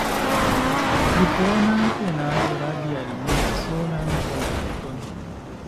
Fripona penado rabi al mi la solan komforton!